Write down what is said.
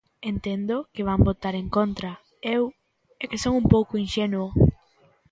Entendo que van votar en contra, eu é que son un pouco inxenuo.